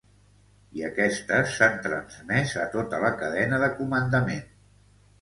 I aquestes s’han transmès a tota la cadena de comandament.